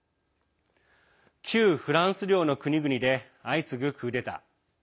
旧フランス領の国々で相次ぐクーデター。